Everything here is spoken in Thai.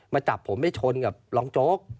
มาจับผมไปชนกับรองโจ๊ก